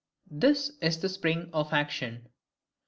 This is the Spring of Action.